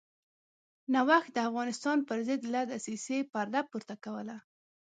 نوښت د افغانستان پرضد له دسیسې پرده پورته کوله.